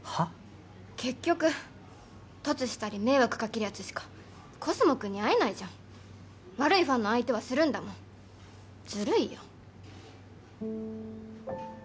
結局凸したり迷惑かけるヤツしかコスモくんに会えないじゃん悪いファンの相手はするんだもんずるいよ